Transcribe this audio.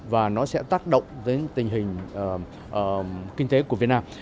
và nó sẽ tác động tới tình hình kinh tế của việt nam